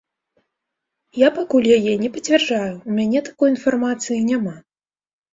Я пакуль яе не пацвярджаю, у мяне такой інфармацыі няма.